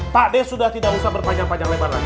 pakde sudah tidak usah bertanjang panjang lebar lagi